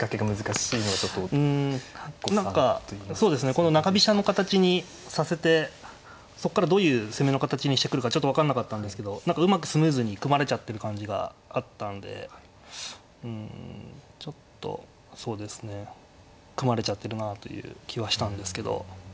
この中飛車の形にさせてそこからどういう攻めの形にしてくるかちょっと分かんなかったんですけど何かうまくスムーズに組まれちゃってる感じがあったんでうんちょっとそうですね組まれちゃってるなあという気はしたんですけど。